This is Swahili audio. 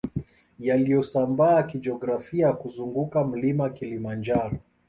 Yaliyosambaa kijiografia kuzunguka mlima Kilimanjaro